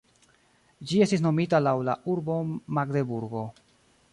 Ĝi estis nomita laŭ la urbo Magdeburgo.